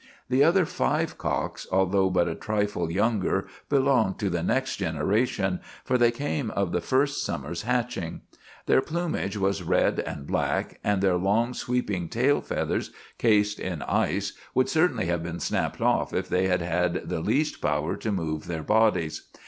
The other five cocks, although but a trifle younger, belonged to the next generation, for they came of the first summer's hatching. Their plumage was red and black, and their long, sweeping tail feathers cased in ice would certainly have been snapped off if they had had the least power to move their bodies.